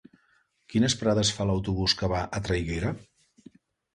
Quines parades fa l'autobús que va a Traiguera?